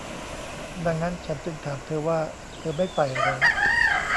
ดังนั้นฉันจึงถามเธอว่า - เธอไม่ใส่เหรอ ?